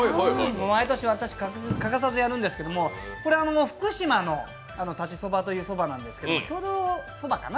毎年欠かさずやるんですけれども福島の裁ちそばというそばなんですが、郷土そばかな。